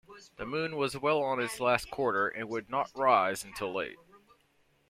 The moon was well on its last quarter and would not rise till late.